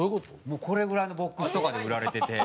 もうこれぐらいのボックスとかで売られてて。